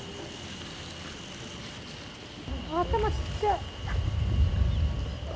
頭ちっちゃい。